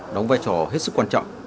đóng vai trò hết sức quan trọng